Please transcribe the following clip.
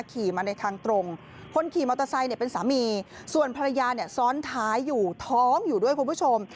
ขี่มาในทางตรงคนขี่มอเตอร์ไซค์เนี่ยเป็นสามีส่วนภรรยาเนี่ยซ้อนท้ายอยู่ท้องอยู่ด้วยคุณผู้ชม